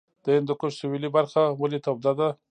د هندوکش سویلي برخه ولې توده ده؟